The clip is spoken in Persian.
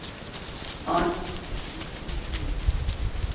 آن مرد اصلا شوخ نیست.